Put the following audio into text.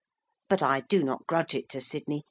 But I do not grudge it to Sidney.